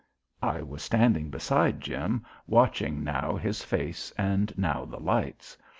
I was standing beside Jim, watching now his face and now the lights.